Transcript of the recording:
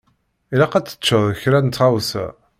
Ilaq ad teččeḍ kra n tɣawsa.